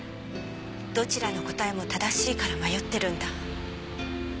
どちらの答えも正しいから迷ってるんだ。